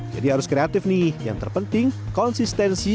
jadi harus kreatif nih yang terpenting konsistensi